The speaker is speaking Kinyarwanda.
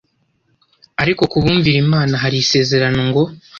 Ariko ku bumvira Imana hari isezerano ngo,